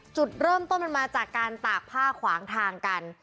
จุดเริ่มต้นมันมาจากการตากผ้าขวางทางกัน